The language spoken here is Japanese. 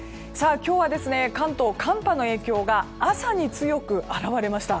今日は、関東寒波の影響が朝に強く現れました。